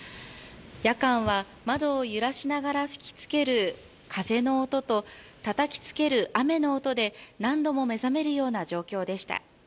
夜間は窓を揺らしながら吹きつける風の音と、たたきつける雨の音で何度も目覚めるような状況でした。